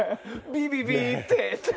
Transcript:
「ビビビって」って！